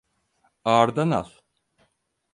Ağırdan al.